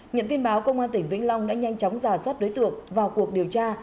nhận tin báo công an tỉnh vĩnh long đã nhanh chóng giả soát đối tượng vào cuộc điều tra